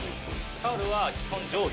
タオルは基本、上下。